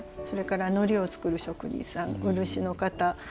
それからのりを作る職人さん漆の方